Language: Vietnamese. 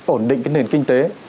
ổn định cái nền kinh tế